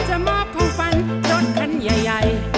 จะมอบของฝันรถคันใหญ่